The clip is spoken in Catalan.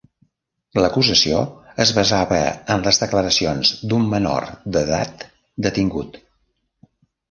L'acusació es basava en les declaracions d'un menor d'edat detingut.